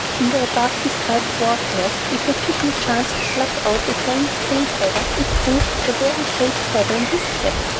In the above described warfare, if a Pygmy chanced to pluck out a crane's tail feather, it proved a very great feather in his cap.